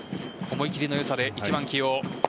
思い切りのよさで１番起用。